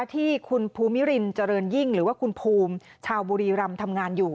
ที่คุณภูมิรินเจริญยิ่งหรือว่าคุณภูมิชาวบุรีรำทำงานอยู่